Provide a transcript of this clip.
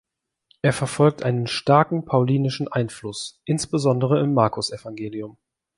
Er verfolgt einen starken paulinischen Einfluss, insbesondere im Markus-Evangelium.